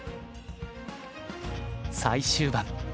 最終盤。